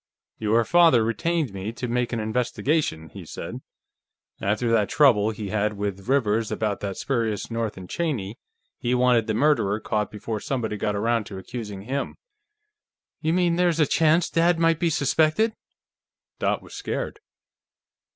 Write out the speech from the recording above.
"Your father retained me to make an investigation," he said. "After that trouble he had with Rivers about that spurious North & Cheney, he wanted the murderer caught before somebody got around to accusing him." "You mean there's a chance Dad might be suspected?" Dot was scared.